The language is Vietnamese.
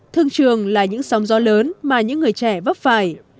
thương trường là những sóng gió lớn mà những người trẻ vấp phải